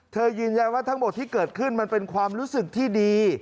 ยืนยันว่าทั้งหมดที่เกิดขึ้นมันเป็นความรู้สึกที่ดี